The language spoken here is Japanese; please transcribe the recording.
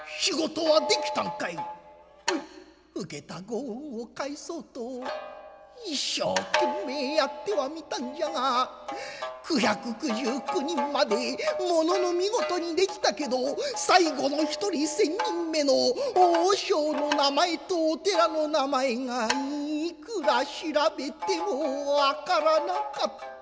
「受けたご恩を返そうと一生懸命やってはみたんじゃが９９９人までものの見事に出来たけど最後の一人１，０００人目の和尚の名前とお寺の名前がいくら調べても分からなかった」。